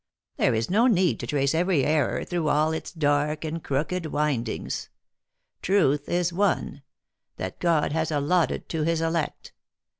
There is no need to trace every error through all its dark and crooked windings. Truth is one : that God has allotted to his elect.